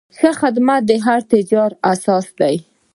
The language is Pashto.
ښه خدمت د هر تجارت اساس دی.